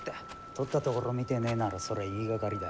とったところを見てねえならそれは言いがかりだ。